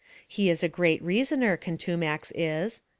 He is a great reasoner, Contumax is.